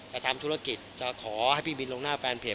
ทำธุรกิจจะขอให้พี่บินลงหน้าแฟนเพจ